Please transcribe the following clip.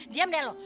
diam deh lo